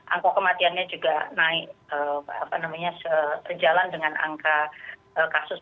angka kematiannya juga naik sejalan dengan angka kasus